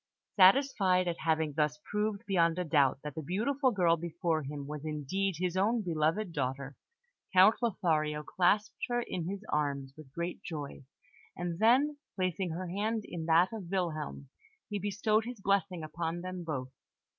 Satisfied at having thus proved beyond a doubt that the beautiful girl before him was indeed his own beloved daughter, Count Lothario clasped her in his arms with great joy; and then, placing her hand in that of Wilhelm, he bestowed his blessing upon them both.